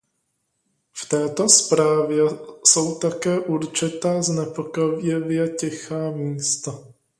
V této zprávě jsou také určitá znepokojivě tichá místa.